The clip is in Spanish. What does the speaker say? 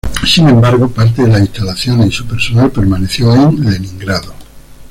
Sin embargo parte de las instalaciones y su personal permaneció en Leningrado.